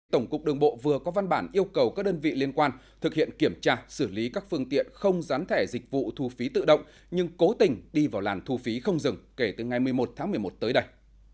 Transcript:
tổng cục đường bộ vừa có văn bản yêu cầu các đơn vị liên quan thực hiện kiểm tra xử lý các phương tiện không gián thẻ dịch vụ thu phí tự động nhưng cố tình đi vào làn thu phí không dừng kể từ ngày một mươi một tháng một mươi một tới đây